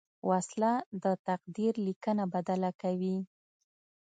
وسله د تقدیر لیکنه بدله کوي